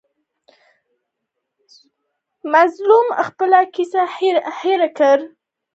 مظلوم خپله کیسه هېر کړي.